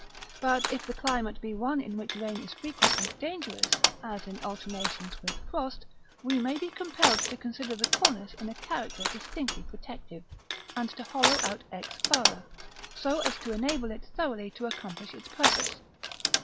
But if the climate be one in which rain is frequent and dangerous, as in alternations with frost, we may be compelled to consider the cornice in a character distinctly protective, and to hollow out X farther, so as to enable it thoroughly to accomplish its purpose.